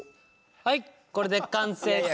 はいこれで完成です。